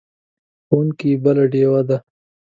ښوونکی بله ډیوه ده.